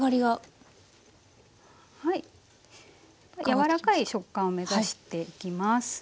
柔らかい食感を目指していきます。